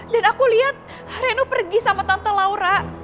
dan aku liat reno pergi sama tante laura